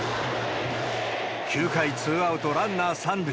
９回ツーアウトランナー３塁。